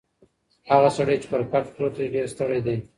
هغه سړی چې پر کټ پروت دی ډېر ستړی دی.